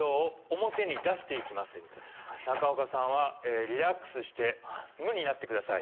表に出すはい中岡さんはリラックスして無になってください